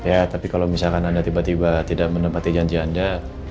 ya tapi kalau misalkan anda tiba tiba tidak menepati janji anda